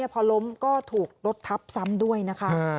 พอล้มก็ถูกรถทับซ้ำด้วยนะคะ